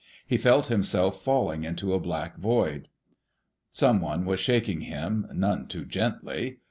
He felt himself falling into a black void. Someone was shaking him, none too gently.